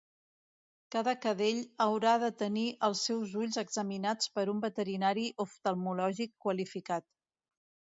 Cada cadell haurà de tenir els seus ulls examinats per un veterinari oftalmològic qualificat.